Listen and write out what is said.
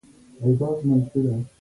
هغوی ما په زور ورکړم.